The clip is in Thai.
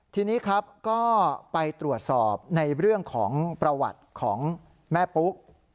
ทีนี้ครับก็ไปตรวจสอบในเรื่องของประวัติของแม่ปุ๊ก